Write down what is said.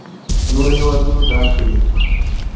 نورو هيوادونو دا کړي.